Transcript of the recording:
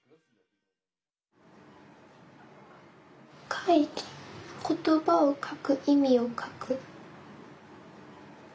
書いた言葉を書く意味を書く。